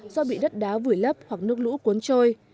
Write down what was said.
do bị đất đá vùi lấp hoặc nước lũ cuốn trôi